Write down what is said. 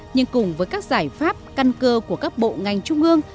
nhưng cùng với các giải pháp căn cơ của các bộ ngành trung ương